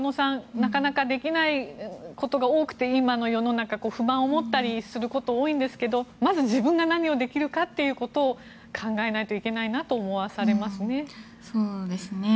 なかなかできないことが多くて今の世の中不満を持ったりすること多いんですけどまず、自分が何をできるかということを考えないといけないなと思わされますね。